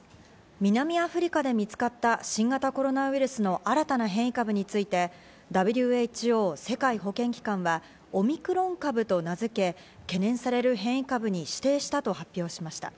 南アフリカで見つかった新型コロナウイルスの新たな変異株について、ＷＨＯ＝世界保健機関はオミクロン株と名付け、懸念される変異株に指定したと発表しました。